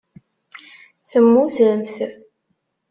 Temmutemt.